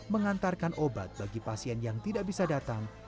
mengantarkan obat bagi pasien yang tidak bisa datang